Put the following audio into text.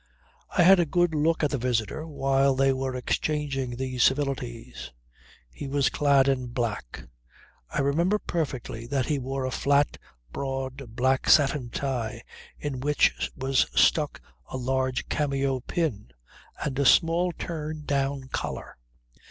I had a good look at the visitor while they were exchanging these civilities. He was clad in black. I remember perfectly that he wore a flat, broad, black satin tie in which was stuck a large cameo pin; and a small turn down collar.